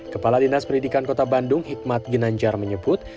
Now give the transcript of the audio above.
kepala dinas pendidikan kota bandung hikmat ginanjar menyebut